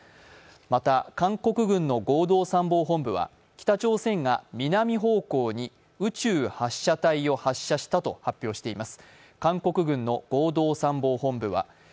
また韓国軍の合同参謀本部は北朝鮮が南方向に宇宙発射体を発射したとしています。